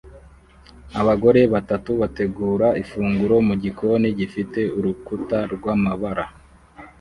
Abagore batatu bategura ifunguro mugikoni gifite urukuta rwamabara